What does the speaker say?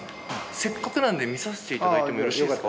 せっかくなんで見させていただいてもよろしいですか？